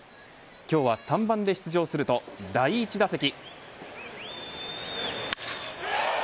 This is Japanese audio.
今日は３番で出場すると第１打席。